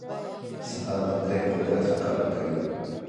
سهار د خدای قدرت ښکاره کوي.